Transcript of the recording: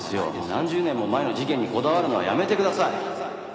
何十年も前の事件にこだわるのはやめてください！